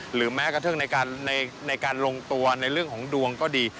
หรือแม้กระทั่งในการลงตัวในเรื่องของดวงก็ดี